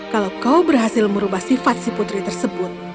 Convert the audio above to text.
kalau kau berhasil merubah sifat si putri tersebut